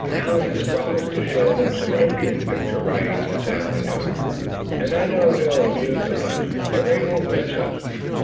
Allan has promised to show them some Indian picture writing this afternoon, and I know he'll amuse the bunch so they won't miss us."